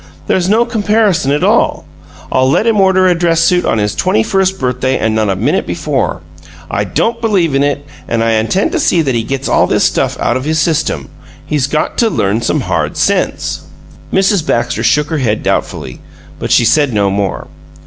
There's no comparison at all. I'll let him order a dress suit on his twenty first birthday and not a minute before. I don't believe in it, and I intend to see that he gets all this stuff out of his system. He's got to learn some hard sense!" Mrs. Baxter shook her head doubtfully, but she said no more.